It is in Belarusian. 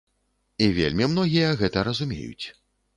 І вельмі многія гэта разумеюць.